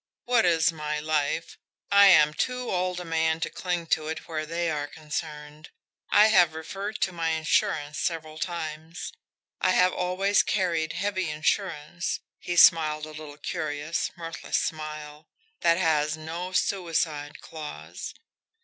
What is my life? I am too old a man to cling to it where they are concerned. I have referred to my insurance several times. I have always carried heavy insurance" he smiled a little curious, mirthless smile "THAT HAS NO SUICIDE CLAUSE."